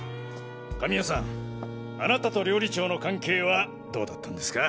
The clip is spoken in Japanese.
神尾さんあなたと料理長の関係はどうだったんですか？